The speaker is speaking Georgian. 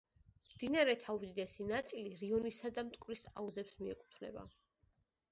მდინარეთა უდიდესი ნაწილი რიონისა და მტკვრის აუზებს მიეკუთვნება.